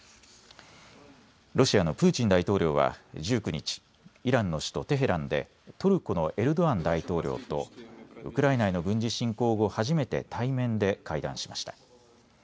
ロシアのプーチン大統領は１９日、イランの首都テヘランでトルコのエルドアン大統領とウクライナへの軍事侵攻後、初めて対面で会談しました。